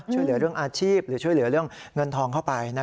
ช่วยเหลือเรื่องอาชีพหรือช่วยเหลือเรื่องเงินทองเข้าไป